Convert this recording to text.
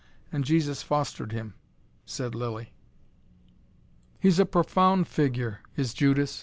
And Jesus fostered him " said Lilly. "He's a profound figure, is Judas.